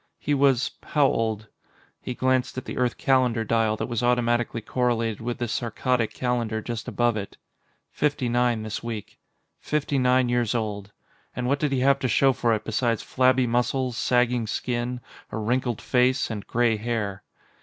He was how old? He glanced at the Earth calendar dial that was automatically correlated with the Saarkkadic calendar just above it. Fifty nine next week. Fifty nine years old. And what did he have to show for it besides flabby muscles, sagging skin, a wrinkled face, and gray hair?